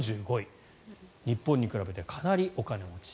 日本に比べてかなりお金持ち。